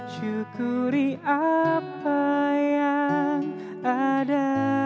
syukuri apa yang ada